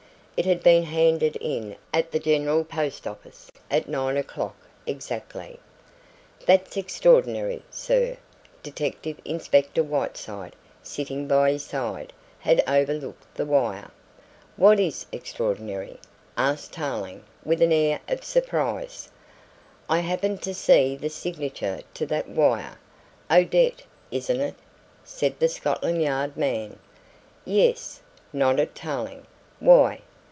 It had been handed in at the General Post Office at nine o'clock exactly. "That's extraordinary, sir," Detective Inspector Whiteside, sitting by his side, had overlooked the wire. "What is extraordinary?" asked Tarling with an air of surprise. "I happened to see the signature to that wire 'Odette,' isn't it?" said the Scotland Yard man. "Yes," nodded Tarling. "Why?